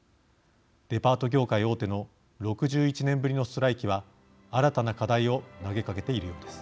デパート業界大手の６１年ぶりのストライキは新たな課題を投げかけているようです。